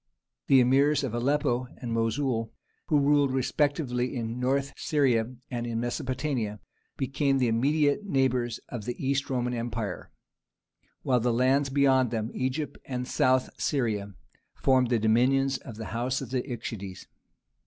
The Emirs of Aleppo and Mosul, who ruled respectively in North Syria and in Mesopotamia, became the immediate neighbours of the East Roman Empire, while the lands beyond them, Egypt and South Syria, formed the dominions of the house of the Ikshides.